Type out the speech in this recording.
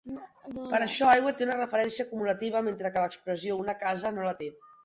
Per això, "aigua" té una referència acumulativa, mentre que l'expressió "una casa" no la té.